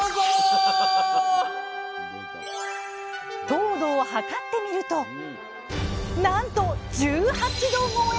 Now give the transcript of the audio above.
糖度を測ってみるとなんと１８度超え！